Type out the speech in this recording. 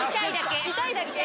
痛いだけ？